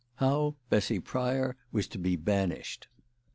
HOW BESSY PRYOR WAS TO BE BANISHED.